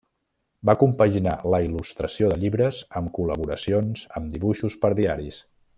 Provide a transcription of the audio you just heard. Va compaginar la il·lustració de llibres amb col·laboracions amb dibuixos per diaris.